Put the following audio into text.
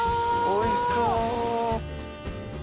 おいしそう。